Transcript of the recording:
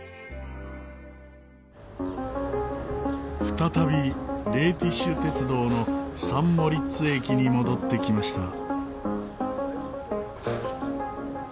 再びレーティッシュ鉄道のサン・モリッツ駅に戻ってきました。